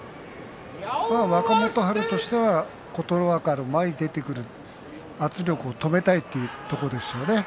若元春としては琴ノ若の前に出てくる圧力を止めたいというところですね。